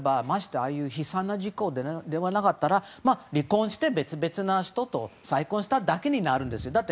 ましてや、ああいう悲惨な事故でなければ離婚して別々な人と再婚しただけになるんですよ。